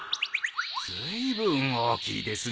ずいぶん大きいですね。